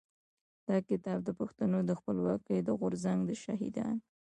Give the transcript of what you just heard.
دا کتاب د پښتنو د خپلواکۍ د غورځنګ د شهيدانو.